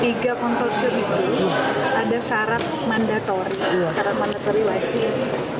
tiga konsorsium itu ada syarat mandatori syarat mandatori wajib